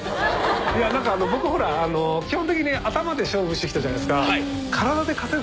何か僕、ほら、基本的に頭で勝負してきたじゃないですか。